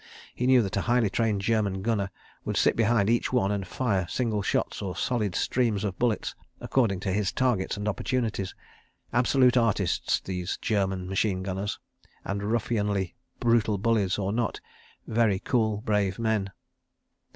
He knew that a highly trained German gunner would sit behind each one and fire single shots or solid streams of bullets, according to his targets and opportunities. Absolute artists, these German machine gunners and, ruffianly brutal bullies or not, very cool, brave men.